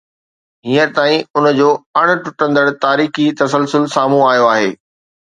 هينئر تائين ان جو اڻ ٽٽندڙ تاريخي تسلسل سامهون آيو آهي.